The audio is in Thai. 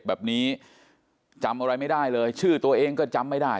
คือสิ่งที่เราติดตามคือสิ่งที่เราติดตาม